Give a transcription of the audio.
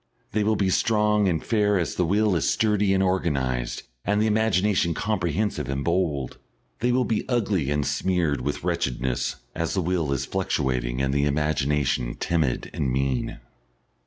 They will be strong and fair as the will is sturdy and organised and the imagination comprehensive and bold; they will be ugly and smeared with wretchedness as the will is fluctuating and the imagination timid and mean.